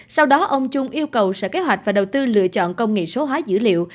sau đó ông trung yêu cầu sở kế hoạch và đầu tư lựa chọn công nghệ số hóa dữ liệu